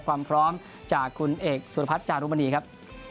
ความพร้อมจากเขาน์เอกสุรพัชจารุมณีครับ